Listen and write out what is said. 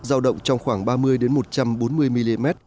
giao động trong khoảng ba mươi một trăm bốn mươi mm